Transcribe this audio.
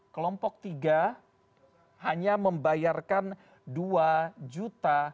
kelompok tiga hanya membayarkan dua juta